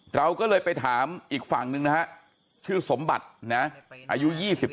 เราก็เลยไปถามอีกฝั่งหนึ่งนะฮะชื่อสมบัตินะอายุ๒๙